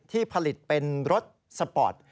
ที่ผลิตเป็นรถสปอร์ต